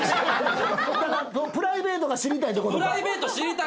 プライベートが知りたいってことか。